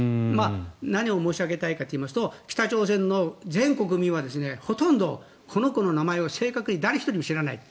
何を申し上げたいかといいますと北朝鮮の全国民はほとんどこの子の名前を正確に誰一人知らない。